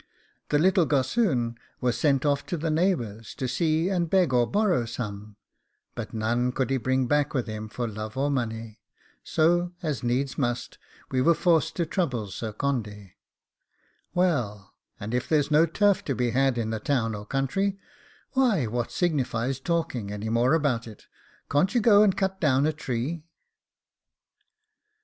The little GOSSOON was sent off to the neighbours, to see and beg or borrow some, but none could he bring back with him for love or money; so, as needs must, we were forced to trouble Sir Condy 'Well, and if there's no turf to be had in the town or country, why, what signifies talking any more about it; can't ye go and cut down a tree?